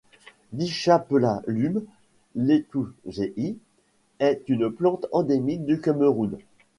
Dichapetalum letouzeyi est une plante endémique du Cameroun.